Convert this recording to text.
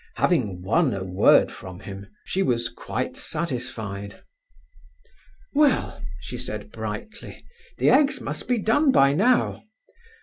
Having won a word from him, she was quite satisfied. "Well," she said brightly, "the eggs must be done by now."